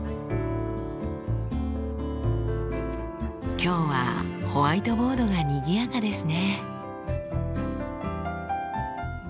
今日はホワイトボードがにぎやかですね。